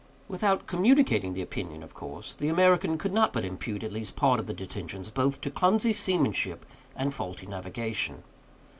Without communicating the opinion, of course, the American could not but impute at least part of the detentions both to clumsy seamanship and faulty navigation.